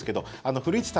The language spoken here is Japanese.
古市さん